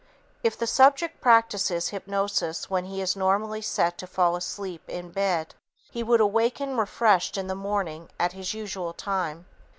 If the subject practices hypnosis when he is normally set to fall asleep in bed, he would awaken refreshed in the morning at his usual time.